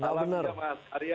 selamat malam mas arya